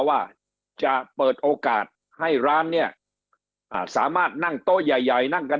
ว่าจะเปิดโอกาสให้ร้านเนี่ยสามารถนั่งโต๊ะใหญ่ใหญ่นั่งกัน